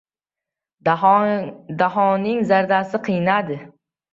Dahoning zardasi qaynadi.